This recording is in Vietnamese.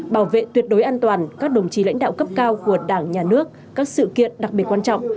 bảo vệ tuyệt đối an toàn các đồng chí lãnh đạo cấp cao của đảng nhà nước các sự kiện đặc biệt quan trọng